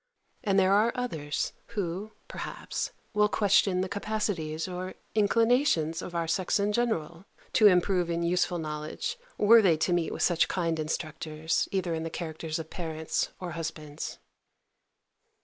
And there are others, who, perhaps, will question the capacities or inclinations of our sex in general, to improve in useful knowledge, were they to meet with such kind instructors, either in the characters of parents or husbands.